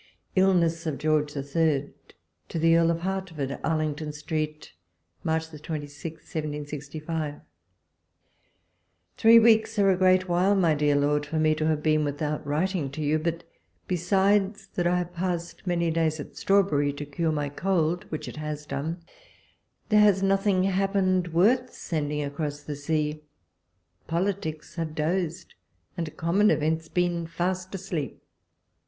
ILLXKSS OF GKOROK III. To THE Earl of IlEUTtORD. Arlington Street, March 26, 1765. Three weeks are a great while, my dear lord, for me to have been without writing to you ; but besides that I have passed many days at Straw berry, to cure my cold (which it has done), there walpole's letters. It '9 has nothing happened worth sending across the sea. Politics have dozed, and common events been fast asleep.